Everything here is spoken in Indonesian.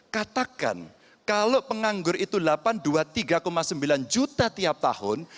katakan kalau penganggur itu delapan dua tiga sembilan juta tiap tahun